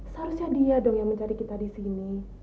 seharusnya dia dong yang mencari kita di sini